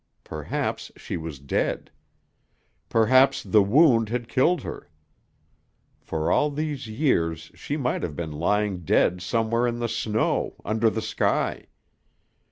Perhaps she was dead. Perhaps the wound had killed her. For all these years she might have been lying dead somewhere in the snow, under the sky.